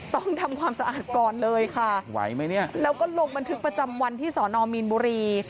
ต้องทำความสะอาดก่อนเลยค่ะแล้วก็หลบบันทึกประจำวันที่สอนอมีนบุรี